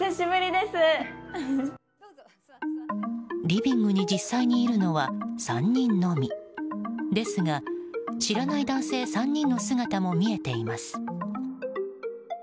リビングに実際にいるのは３人のみ。ですが、知らない男性３人の姿も見えています。